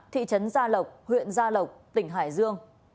thị trấn gia lộc huyện gia lộc tỉnh hải dương